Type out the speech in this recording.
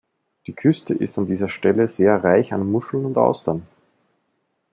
Die Küste ist an dieser Stelle sehr reich an Muscheln und Austern.